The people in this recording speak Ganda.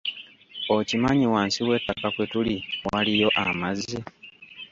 Okimanyi wansi w'ettaka kwe tuli waliyo amazzi.